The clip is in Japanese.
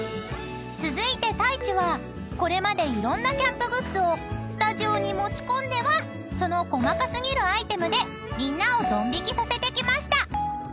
［続いて太一はこれまでいろんなキャンプグッズをスタジオに持ち込んではその細か過ぎるアイテムでみんなをどん引きさせてきました］